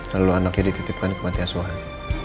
lalu anaknya dititipkan ke mati asuhan